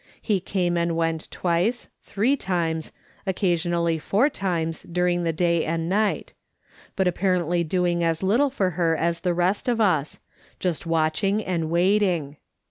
He came and went, twice, three times, occasionally four times, during the day and night ; but apparently doing as little for her as the rest of us ; just watching and waiting.